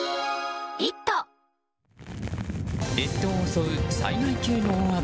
列島を襲う災害級の大雨。